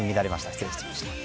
失礼いたしました。